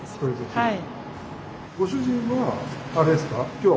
はい。